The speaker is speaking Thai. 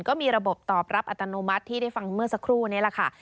ก็มีระบบตอบรับอัตโนมัติที่ได้ฟังเมื่อสักครู่นี้แหละค่ะ